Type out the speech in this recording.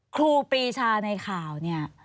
ครูปีชาในข่าวเนี่ย